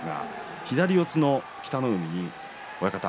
左四つの北の湖親方